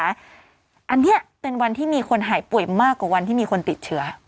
อันนี้เป็นวันที่มีคนหายป่วยมากกว่าวันที่มีคนติดเชื้อ